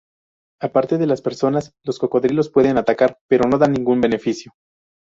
Aparte de las personas, los cocodrilos pueden atacar, pero no dan ningún beneficio.